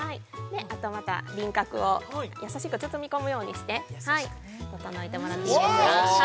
◆あと、また輪郭を優しく包み込むようにして整えてもらっていいですか。